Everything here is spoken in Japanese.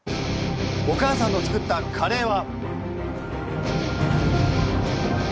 お母さんの作ったカレーは。